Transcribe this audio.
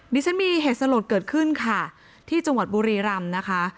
ดิฉันมีเหตุสลดเกิดขึ้นค่ะที่จังหวัดบุรีรำนะคะ